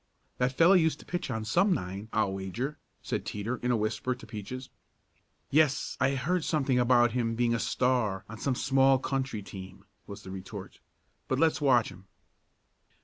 "That fellow used to pitch on some nine, I'll wager," said Teeter in a whisper to Peaches. "Yes, I heard something about him being a star on some small country team," was the retort. "But let's watch him."